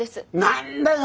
何だよ